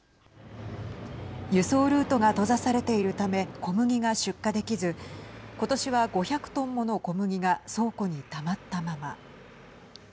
輸送ルートが閉ざされているため小麦が出荷できずことしは、５００トンもの小麦が倉庫に、たまったまま。